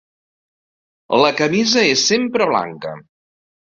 La camisa és sempre blanca.